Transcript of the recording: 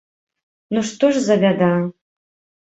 Ну што ж за бяда!